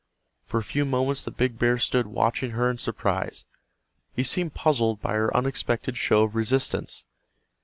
For a few moments the big bear stood watching her in surprise. He seemed puzzled by her unexpected show of resistance.